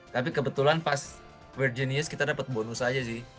tapi kebetulan pas world genius kita dapat bonus aja sih